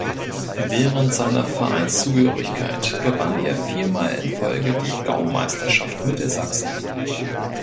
Während seiner Vereinszugehörigkeit gewann er viermal in Folge die Gaumeisterschaft Mittelsachsen.